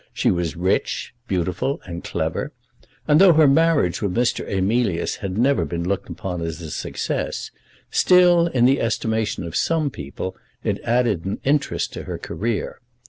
She was rich, beautiful, and clever; and, though her marriage with Mr. Emilius had never been looked upon as a success, still, in the estimation of some people, it added an interest to her career.